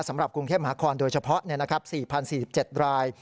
สำหรับกรุงเทพมหาคอนโดยเฉพาะ๔๐๔๗ราย